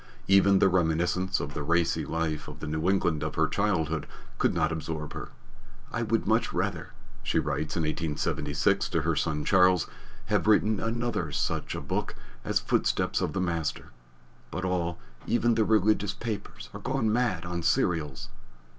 Even the reminiscence of the racy life of the New England of her childhood could not absorb her. "I would much rather," she writes in 1876 to her son Charles, "have written another such a book as Footsteps of the Master, but all, even the religious papers, are gone mad on serials."